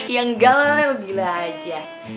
ya enggak re lo gila aja